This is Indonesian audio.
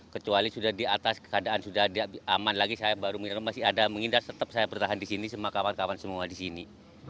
kecuali sudah di atas keadaan sudah aman lagi saya baru mengidap masih ada mengindah tetap saya bertahan di sini sama kawan kawan semua di sini